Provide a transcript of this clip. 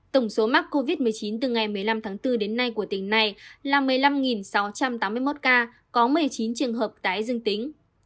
tổng số mắc covid một mươi chín từ ngày một mươi năm tháng bốn đến nay của tỉnh này là một mươi năm sáu trăm tám mươi một ca có một mươi chín trường hợp tái dương tính